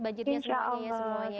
banjirnya semuanya ya